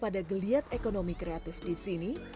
pada geliat ekonomi kreatif disini